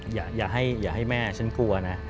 อย่าให้แม่ฉันกลัวนะ